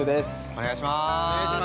◆お願いしまーす。